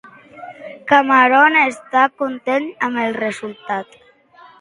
Cameron està content amb el resultat?